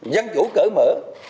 dân chủ cỡ mở